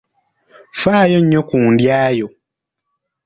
Ffaayo nnyo ku ndya yo.